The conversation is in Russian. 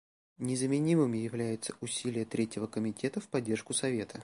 Незаменимыми являются усилия Третьего комитета в поддержку Совета.